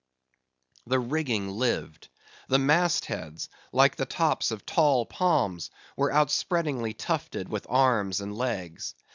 The rigging lived. The mast heads, like the tops of tall palms, were outspreadingly tufted with arms and legs.